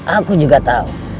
aku juga tahu